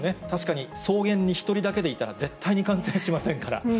確かに草原に１人だけでいたら絶対に感染しませんから。